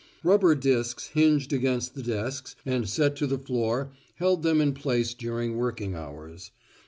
Rubber disks hinged against the desks and set to the floor held them in place during working hours.